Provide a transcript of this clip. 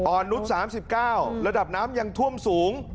นุษย์๓๙ระดับน้ำยังท่วมสูง